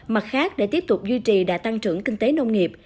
mặt khác để tiếp tục duy trì đã tăng trưởng kinh tế nông nghiệp